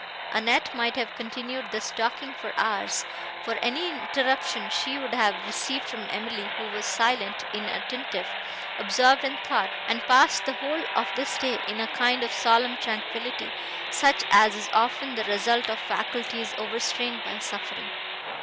Annette might have continued thus talking for hours for any interruption she would have received from Emily, who was silent, inattentive, absorbed in thought, and passed the whole of this day in a kind of solemn tranquillity, such as is often the result of faculties overstrained by suffering.